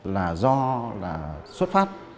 là do là xuất phát